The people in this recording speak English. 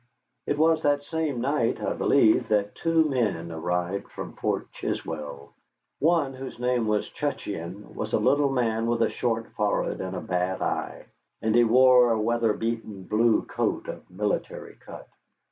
It was that same night, I believe, that two men arrived from Fort Chiswell. One, whose name was Cutcheon, was a little man with a short forehead and a bad eye, and he wore a weather beaten blue coat of military cut.